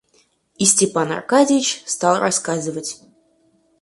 И Степан Аркадьич стал рассказывать.